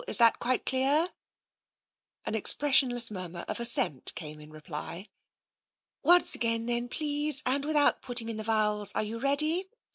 Is that quite clear ? An expressionless murmur of assent came in reply. "Once again then, please, and without putting in the vowels. Are you ready?